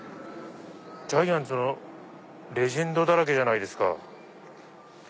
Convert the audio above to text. ジャイアンツのレジェンドだらけじゃないですか。